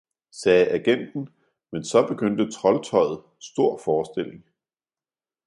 sagde agenten, men så begyndte troldtøjet, stor forestilling.